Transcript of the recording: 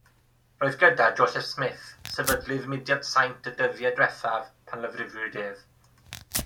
Roedd gyda Joseph Smith, sefydlydd Mudiad Saint y Dyddiau Diwethaf pan lofruddiwyd ef.